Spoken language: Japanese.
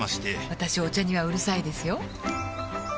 私お茶にはうるさいですよ